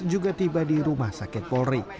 juga tiba di rumah sakit polri